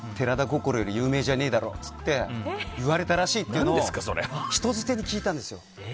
心より有名じゃねえだろって言われたらしいっていうのを人づてに聞いたんですよ。